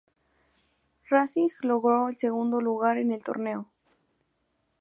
Racing logró el segundo lugar en el torneo.